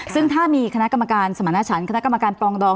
ซึ่งถ้ามีคณะกรรมการสมรรถฉันคณะกรรมการปรองดอง